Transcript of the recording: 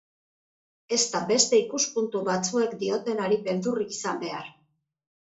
Ez da beste ikuspuntu batzuek diotenari beldurrik izan behar.